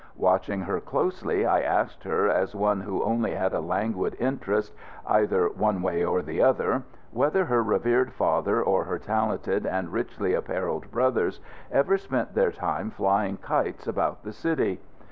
Watching her closely I asked her, as one who only had a languid interest either one way or the other, whether her revered father or her talented and richly apparelled brothers ever spent their time flying kites about the city.